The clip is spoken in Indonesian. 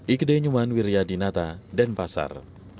ikdenyuman wiryadinata dan pasar